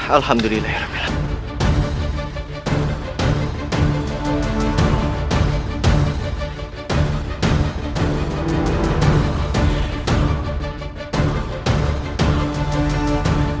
alhamdulillah ya rai